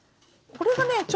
これがね